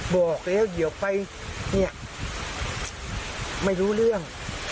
บอกแล้วเดี๋ยวไปเนี่ยไม่รู้เรื่อง